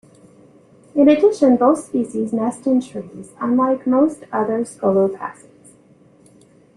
In addition, both species nest in trees, unlike most other scolopacids.